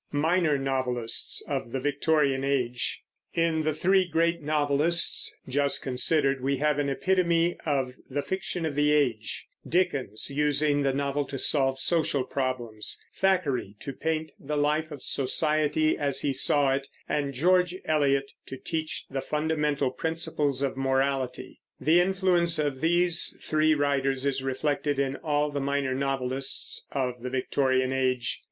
MINOR NOVELISTS OF THE VICTORIAN AGE In the three great novelists just considered we have an epitome of the fiction of the age, Dickens using the novel to solve social problems, Thackeray to paint the life of society as he saw it, and George Eliot to teach the fundamental principles of morality. The influence of these three writers is reflected in all the minor novelists of the Victorian Age.